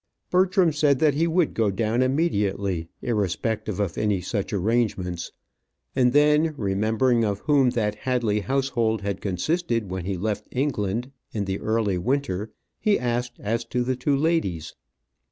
Bertram said that he would go down immediately, irrespective of any such arrangements. And then, remembering of whom that Hadley household had consisted when he left England in the early winter, he asked as to the two ladies.